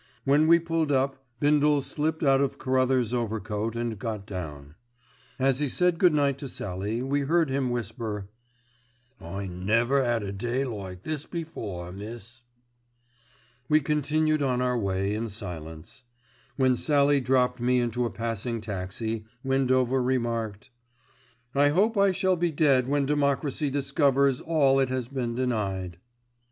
When we pulled up, Bindle slipped out of Carruthers' overcoat and got down. As he said good night to Sallie we heard him whisper: "I never 'ad a day like this before, miss." We continued on our way in silence. When Sallie dropped me into a passing taxi, Windover remarked: "I hope I shall be dead when Democracy discovers all it has been denied."